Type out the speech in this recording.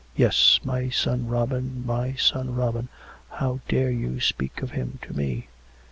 " Yes, my son Robin I my son Robin !... How dare you speak of him to me?